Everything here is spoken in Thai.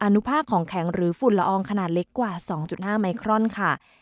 อนุภาคของแข็งหรือฝุ่นละอองขนาดเล็กกว่า๒๕ไมครอนค่ะ